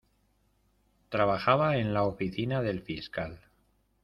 Trabajaba en la oficina del fiscal.